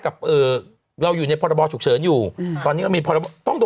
ไปรวมกัน